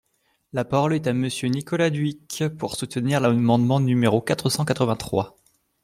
La parole est à Monsieur Nicolas Dhuicq, pour soutenir l’amendement numéro quatre cent quatre-vingt-trois.